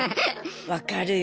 分かるよ。